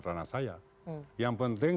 peran saya yang penting